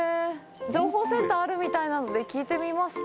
情報センターあるみたいなので聞いてみますか。